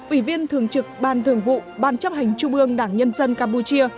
ủy viên thường trực ban thường vụ ban chấp hành trung ương đảng nhân dân campuchia